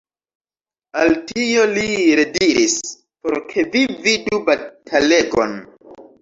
Al tio li rediris, por ke vi vidu batalegon.